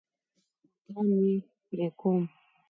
نوکان مي پرې کوم .